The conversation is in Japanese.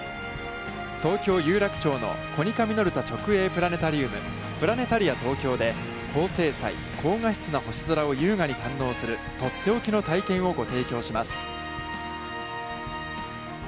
東京・有楽町のコニカミノルタ直営プラネタリウム「プラネタリアＴＯＫＹＯ」で、高精細・高画質な星空を優雅に堪能する、とっておきの体験をご提供します。